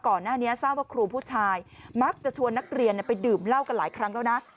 ก่อนหน้านี้ทราบว่าครูผู้ชายมักจะชวนนักเรียนไปดื่มเหล้ากันหลายครั้งแล้วนะ